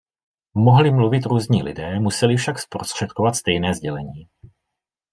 Mohli mluvit různí lidé, museli však zprostředkovat stejné sdělení.